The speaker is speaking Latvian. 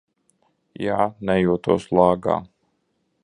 Jā, nejūtos lāgā.